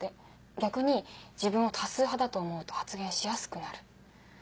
逆に自分を多数派だと思うと発言しやすくなる。